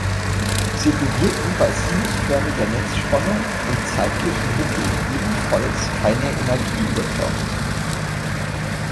Sie bewirken bei sinusförmiger Netzspannung im zeitlichen Mittel ebenfalls keine Energieübertragung.